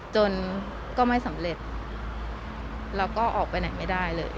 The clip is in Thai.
ก็ไม่สำเร็จแล้วก็ออกไปไหนไม่ได้เลย